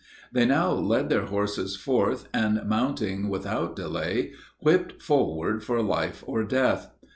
They now led their horses forth, and, mounting without delay, whipped forward for life or death.